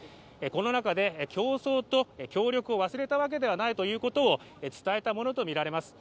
この中で、競争と協力を忘れたわけではないということを伝えたものとみられます。